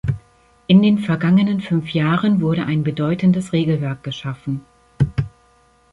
In den vergangenen fünf Jahren wurde ein bedeutendes Regelwerk geschaffen.